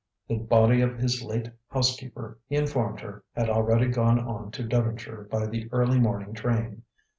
The body of his late housekeeper, he informed her, had already gone on to Devonshire by the early morning train.